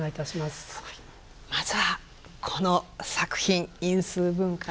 まずはこの作品因数分解をね